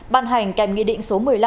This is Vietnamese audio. ban hành kèm nghị định số một mươi năm